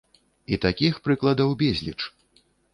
І такіх прыкладаў безліч!